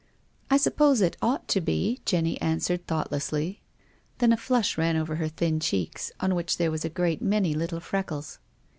"" I suppose it ought to be," Jenny answered, thoughtlessly. Then a flush ran over her thin cheeks, on which there were a great many little freckles.